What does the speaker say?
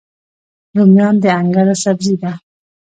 رومیان د انګړ سبزي ده